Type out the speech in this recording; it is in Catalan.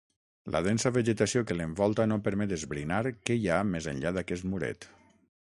La densa vegetació que l'envolta no permet esbrinar què hi ha més enllà d'aquest muret.